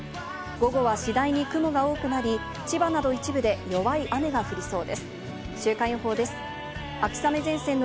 午後は次第に雲が多くなり、千葉など一部で弱い雨が降りそう雨。